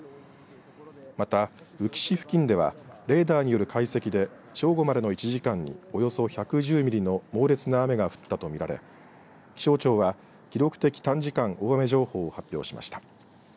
また宇城市付近ではレーダーによる解析で正午までの１時間におよそ１１０ミリの猛烈な雨が降ったと見られ気象庁は記録的短時間大雨情報を発表しました。